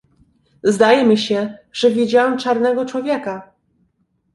"Zdaje mi się, że widziałem czarnego człowieka."